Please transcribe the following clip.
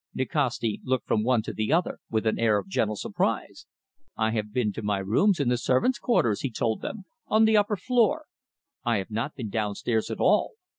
Nikasti looked from one to the other with an air of gentle surprise. "I have been to my rooms in the servants' quarters," he told them, "on the upper floor. I have not been downstairs at all.